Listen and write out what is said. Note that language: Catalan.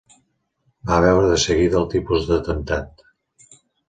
Va veure de seguida el tipus d'atemptat.